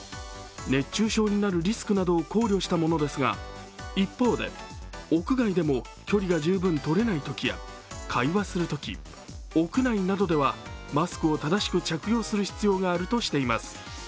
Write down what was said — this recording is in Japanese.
熱中症になるリスクなどを考慮したものですが、一方で、屋外でも距離が十分取れないときや、会話するとき、屋内などではマスクを正しく着用する必要があるとしています。